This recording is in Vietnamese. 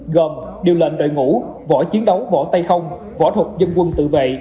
gồm điều lệnh đội ngũ võ chiến đấu võ tay không võ thuật dân quân tự vệ